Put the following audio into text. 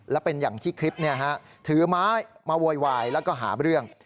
และเป็นอย่างที่คลิปถือไม้มาโวยวายแล้วก็หาเรื่อง